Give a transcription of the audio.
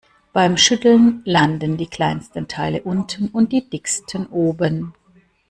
Beim Schütteln landen die kleinsten Teile unten und die dicksten oben.